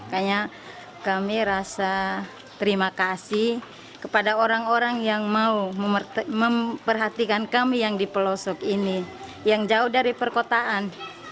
karena kami rasa terima kasih kepada orang orang yang mau memperhatikan kami yang di pelosok ini yang jauh dari perkotaan